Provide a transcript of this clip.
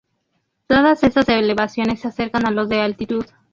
Todas estas elevaciones se acercan a los de altitud.